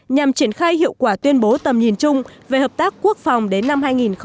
nhằm triển khai hiệu quả tuyên bố tầm nhìn chung về hợp tác quốc phòng đến năm hai nghìn ba mươi